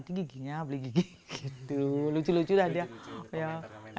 itu giginya beli gigi gitu lucu lucu lah dia